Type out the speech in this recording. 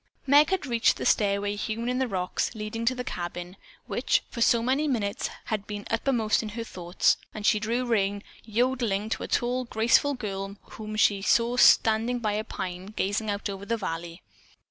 Meg had reached the stairway hewn in the rocks, leading to the cabin, which, for so many minutes had been uppermost in her thoughts, and she drew rein, yodeling to a tall, graceful girl whom she saw standing by a pine gazing out over the valley.